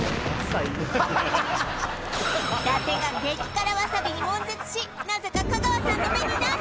伊達が激辛わさびに悶絶しなぜか香川さんの目に涙！